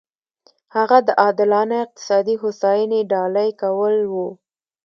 هغه د عادلانه اقتصادي هوساینې ډالۍ کول و.